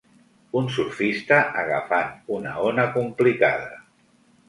un surfista agafant una ona complicada